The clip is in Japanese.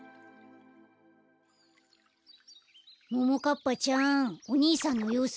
ももかっぱちゃんおにいさんのようすはどう？